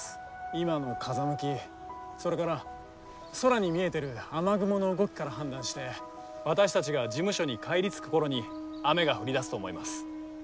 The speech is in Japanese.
今の風向きそれから空に見えてる雨雲の動きから判断して私たちが事務所に帰り着く頃に雨が降りだすと思います。